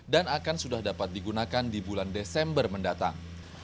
dan akan sudah dapat digunakan di bulan desember mendatang